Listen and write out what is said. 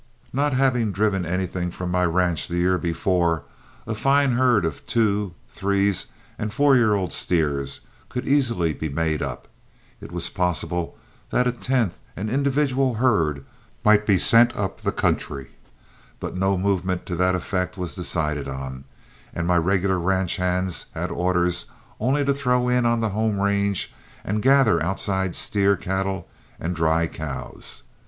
Not having driven anything from my ranch the year before, a fine herd of twos, threes, and four year old steers could easily be made up. It was possible that a tenth and individual herd might be sent up the country, but no movement to that effect was decided on, and my regular ranch hands had orders only to throw in on the home range and gather outside steer cattle and dry cows.